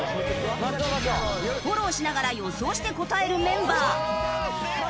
フォローしながら予想して答えるメンバー。